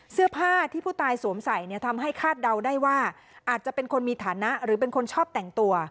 เสื้อผ้าที่ผู้ตายสวมใส่เนี่ยทำให้คาดเดาได้ว่าอาจจะเป็นคนมีฐานะหรือเป็นคนชอบแต่งตัว